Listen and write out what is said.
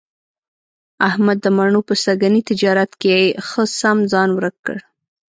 احمد د مڼو په سږني تجارت کې ښه سم ځان ورک کړ.